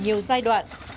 nhiều giai đoạn